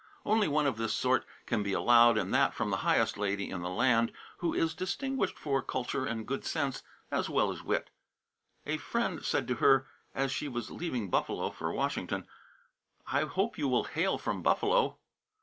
Only one of this sort can be allowed, and that from the highest lady in the land, who is distinguished for culture and good sense, as well as wit. A friend said to her as she was leaving Buffalo for Washington: "I hope you will hail from Buffalo."